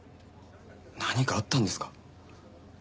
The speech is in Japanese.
何かあったんですか？